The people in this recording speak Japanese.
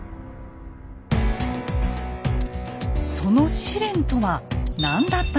その試練とは何だったのでしょうか。